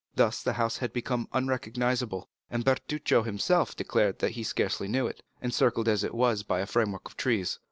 Thus the house had become unrecognizable, and Bertuccio himself declared that he scarcely knew it, encircled as it was by a framework of trees.